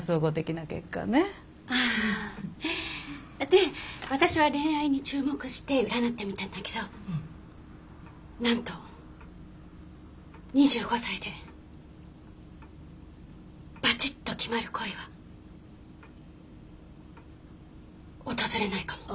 で私は恋愛に注目して占ってみたんだけどなんと２５歳でバチッと決まる恋は訪れないかも。